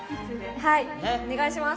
はいお願いします。